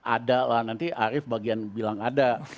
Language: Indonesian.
ada lah nanti arief bagian bilang ada